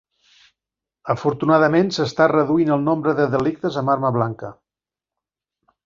Afortunadament, s'està reduint el nombre de delictes amb arma blanca.